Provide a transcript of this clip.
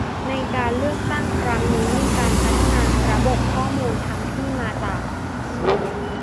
ในการเลือกตั้งครั้งนี้มีการพัฒนาระบบข้อมูลทั้งที่มาจาก